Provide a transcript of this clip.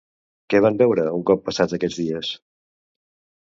Què van veure un cop passats aquests dies?